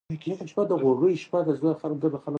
ازادي راډیو د ترانسپورټ په اړه د نوښتونو خبر ورکړی.